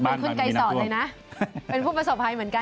เป็นคุณไกรสอนเลยนะเป็นผู้ประสบภัยเหมือนกัน